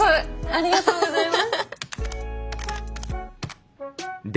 ありがとうございます！